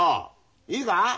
いいか？